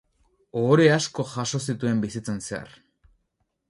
Ohore asko jaso zituen bizitzan zehar.